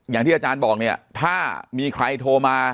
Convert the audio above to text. อย่างที่อาจารย์บอกเนี่ยถ้ามีใครโทรมา